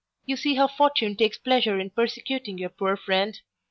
you see how Fortune takes pleasure in persecuting your poor friend.